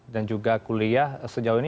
dan juga kuliah sejauh ini